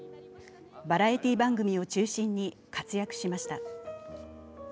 バラエティー番組を中心に活躍しました。